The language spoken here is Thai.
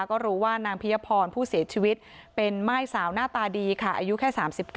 ก็รู้ว่านางพิยพรผู้เสียชีวิตเป็นม่ายสาวหน้าตาดีค่ะอายุแค่๓๙